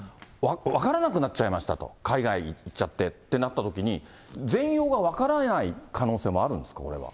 分からなくなっちゃいましたと、海外にいっちゃってってなったときに、全容が分からない可能性もあるんですか、これは。